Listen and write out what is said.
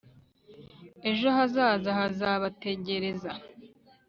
ejo hazaza hazabategereza